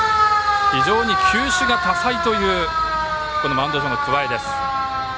非常に球種が多彩というマウンド上の桑江。